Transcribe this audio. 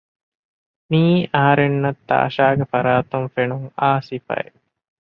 މިއީ އަހަރެންނަށް ތާޝާގެ ފަރާތުން ފެނުން އާ ސިފައެއް